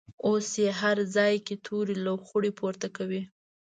اوس یې هر ځای کې تورې لوخړې پورته کوي.